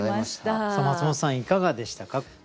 マツモトさんいかがでしたか？